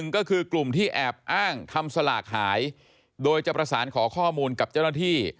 ก็คือกลุ่มที่แอบอ้างทำสลากหายโดยจะประสานขอข้อมูลกับเจ้าหน้าที่